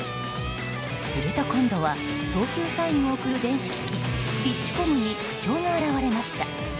すると今度は、投球サインを送る電子機器ピッチコムに不調が現れました。